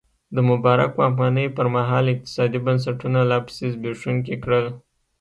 د مبارک واکمنۍ پرمهال اقتصادي بنسټونه لا پسې زبېښونکي کړل.